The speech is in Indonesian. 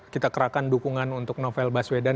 kita kerahkan dukungan untuk novel baswedan